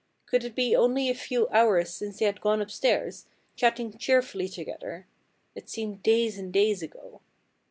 Could it be only a few hours since they had gone upstairs, chatting cheerfully together? It seemed days and days ago.